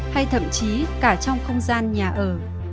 hay thậm chí cả trong không gian nhà ở